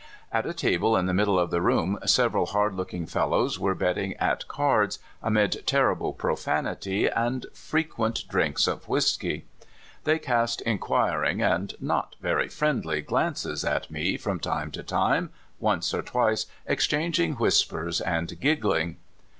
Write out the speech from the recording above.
At a table in the middle of the room several hard look ing fellows were betting at cards, amid terrible profanit}' and frequent drinks of whisky. They cast inquiring and not very friendly glances at me from time to time, once or twice exchanging whis pers and giggling.